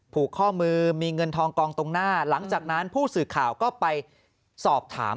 ผูกข้อมือมีเงินทองกองตรงหน้าหลังจากนั้นผู้สื่อข่าวก็ไปสอบถาม